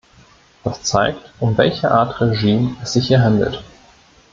Das zeigt, um welche Art Regime es sich hier handelt.